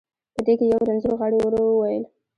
په دې کې یو رنځور غاړي، ورو وویل.